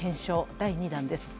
第２弾です。